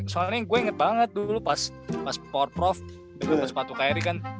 soalnya gue inget banget dulu pas power prof dengan sepatu kak airi kan